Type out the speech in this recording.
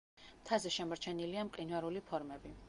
მთაზე შემორჩენილია მყინვარული ფორმები.